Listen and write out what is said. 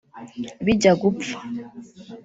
Bijya gupfa